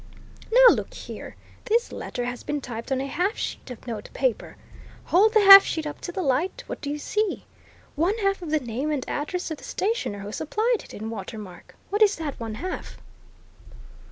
Now look here: This letter has been typed on a half sheet of notepaper. Hold the half sheet up to the light what do you see? One half of the name and address of the stationer who supplied it, in watermark. What is that one half?"